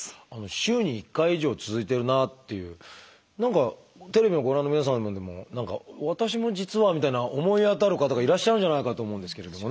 週に１回以上続いてるなっていう何かテレビをご覧の皆さんでも何か「私も実は」みたいな思い当たる方がいらっしゃるんじゃないかと思うんですけれどもね。